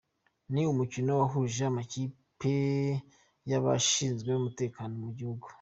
Ni umukino wahuje amakipe y’abashinzwe umutekano mu gihugu